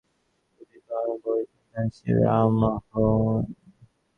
রমাইকে সকলেই ভয় করে, রমাই যদি কাহাকেও ভয় করে তো সে এই রামমোহন।